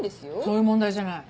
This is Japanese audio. そういう問題じゃない。